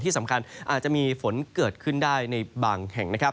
ที่สำคัญอาจจะมีฝนเกิดขึ้นได้ในบางแห่ง